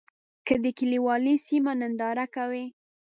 که د کلیوالي سیمو ننداره کوې.